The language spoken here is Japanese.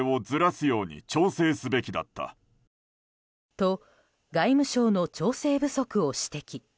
と、外務省の調整不足を指摘。